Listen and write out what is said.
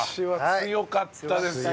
強かったですね。